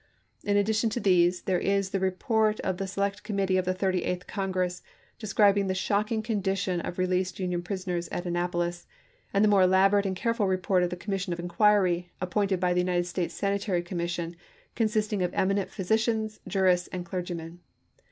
In addition to these, there is the report of the Select Committee of the Thirty eighth Congress, describing the shocking condition of released Union prisoners at Annapolis; and the more elaborate and careful report of the Commission of Inquiry, appointed by the United States Sanitary Commis sion, consisting of eminent physicians, jurists, and clergymen.